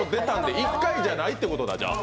１回じゃないってことだ。